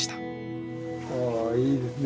ああいいですね。